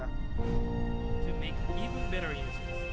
untuk membuat penggunaan yang lebih buruk